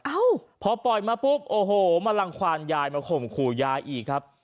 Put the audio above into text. เอ้าพอปล่อยมาปุ๊บโอ้โหมารังความยายมาข่มขู่ยายอีกครับ